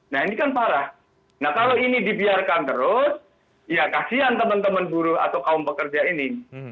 nah ini kan parah nah kalau ini dibiarkan terus ya kasian teman teman buruh atau kaum pekerja ini